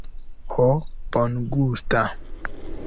Ho, bongusta.